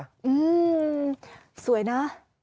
อื้อสวยนะ